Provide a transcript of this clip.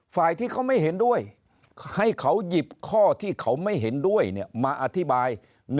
ฝ่ายที่เขาไม่เห็นด้วยให้เขาหยิบข้อที่เขาไม่เห็นด้วยมาอธิบาย